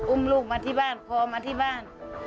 อุ้มลูกมาที่บ้านพอมาที่บ้าน